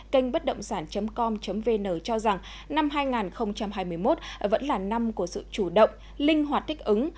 kênh bất động sản com vn cho rằng năm hai nghìn hai mươi một vẫn là năm của sự chủ động linh hoạt thích ứng